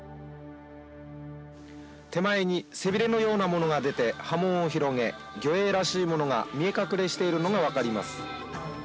手前に背びれのようなものが出て、波紋を広げ、魚影らしいものが見え隠れしているのが分かります。